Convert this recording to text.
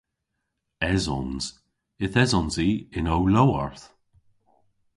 Esons. Yth esons i yn ow lowarth.